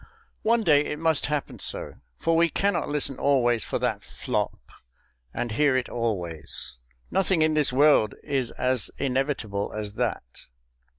One day it must happen so. For we cannot listen always for that FLOP, and hear it always; nothing in this world is as inevitable as that.